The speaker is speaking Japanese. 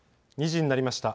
２時になりました。